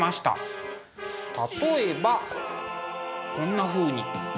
例えばこんなふうに。